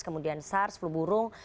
kemudian sars flu burung